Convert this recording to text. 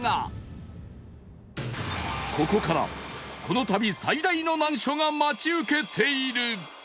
ここからこの旅最大の難所が待ち受けている！